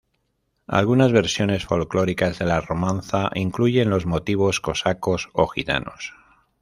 Algunas versiones folklóricas de la romanza incluyen los motivos cosacos o gitanos.